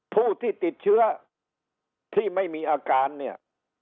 ผู้ที่ติดเชื้อที่ไม่มีอาการเนี่ย